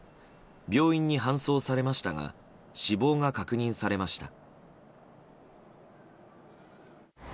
病院に搬送されましたが死亡が確認されました。